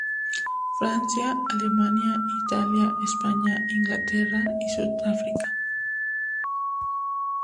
Francia, Alemania, Italia, España, Inglaterra, Sud África.